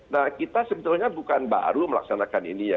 nah kita sebetulnya bukan baru melaksanakan ini ya